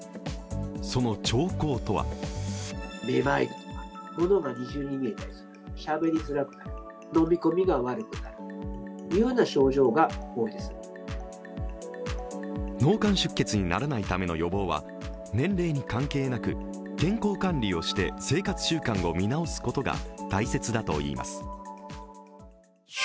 その兆候とは脳幹出血にならないための予防は年齢に関係なく健康管理をして生活習慣を見直すことが大切だといいます。